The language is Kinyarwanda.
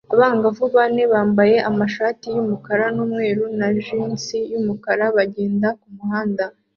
Abangavu bane bambaye amashati yumukara numweru na jinsi yubururu bagenda kumuhanda